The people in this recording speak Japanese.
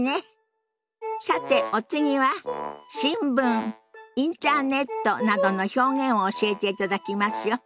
さてお次は「新聞」「インターネット」などの表現を教えていただきますよ。